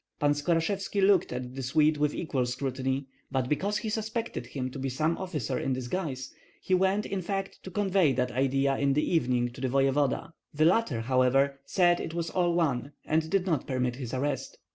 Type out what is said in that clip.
Pan Skorashevski looked at the Swede with equal scrutiny; but because he suspected him to be some officer in disguise, he went in fact to convey that idea in the evening to the voevoda. The latter, however, said it was all one, and did not permit his arrest.